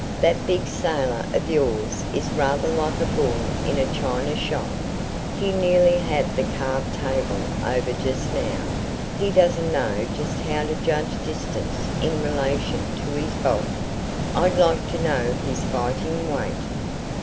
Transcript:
"That big sailor of yours is rather like a bull in a china shop; he nearly had the carved table over just now. He doesn't know just how to judge distance in relation to his bulk. I'd like to know his fighting weight.